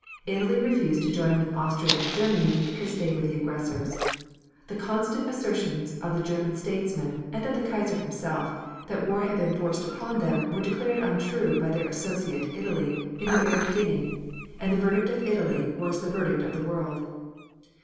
Italy refused to join with Austria and Germany because they were the aggressors. The constant assertions of the German statesmen, and of the Kaiser himself, that war had been forced upon them were declared untrue by their associate Italy in the very beginning, and the verdict of Italy was the verdict of the world.